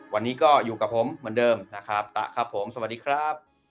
วันนี้ก็อยู่กับผมเหมือนเดิมสวัสดีครับ